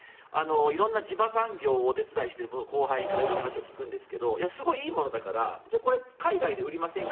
色んな地場産業をお手伝いしている後輩から僕、よく話を聞くんですがすごいいいものだからこれ、海外で売りませんか？